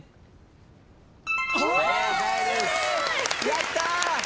やった！